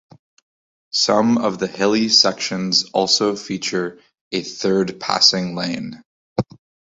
Some of the hilly sections also feature a third passing lane.